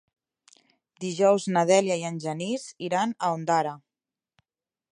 Dijous na Dèlia i en Genís iran a Ondara.